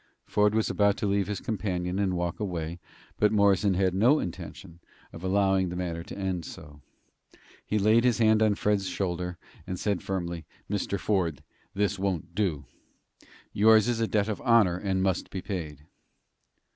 Ford was about to leave his companion and walk away, but Morrison had no intention of allowing the matter to end so. He laid his hand on Ford's shoulder and said, firmly: "Mr. Ford, this won't do. Yours is a debt of honor, and must be paid."